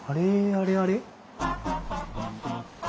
あれあれ？